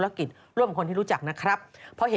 โอลี่คัมรี่ยากที่ใครจะตามทันโอลี่คัมรี่ยากที่ใครจะตามทัน